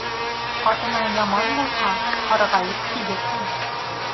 Ҡатының яман булһа, һарғайып киберһең.